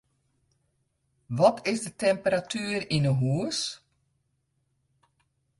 Wat is de temperatuer yn 'e hûs?